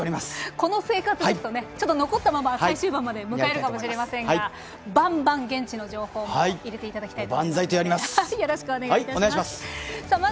この生活ですと残ったまま最終盤まで迎えるかもしれませんがバンバンと現地の情報も入れていただければと思います。